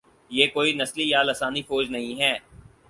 یہ کوئی نسلی یا لسانی فوج نہیں ہے۔